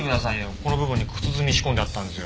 ここの部分に靴墨仕込んであったんですよ。